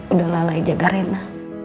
udah lalai jaga rena